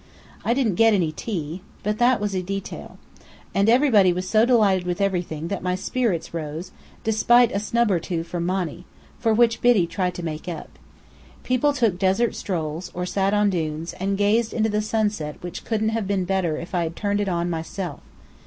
I didn't get any tea. But that was a detail. And everybody was so delighted with everything that my spirits rose, despite a snub or two from Monny for which Biddy tried to make up. People took desert strolls, or sat on dunes, and gazed into the sunset which couldn't have been better if I had turned it on myself.